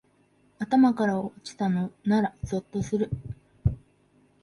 頭から落ちたのならゾッとする